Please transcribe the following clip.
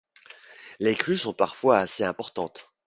Les crues sont parfois assez importantes.